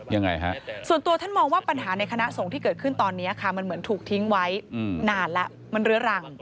ยังไงฮะส่วนตัวท่านมองว่าปัญหาในคณะสงฆ์ที่เกิดขึ้นตอนนี้ค่ะมันเหมือนถูกทิ้งไว้นานแล้วมันเรื้อรัง